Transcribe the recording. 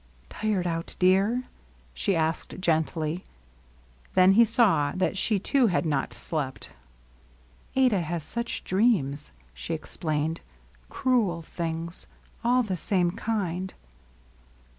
" Tired out, dear ?" she asked gently. Then he saw that she too had not slept. ^^ Adah has such dreams," she explained ;^^ cruel things, — all the same kind."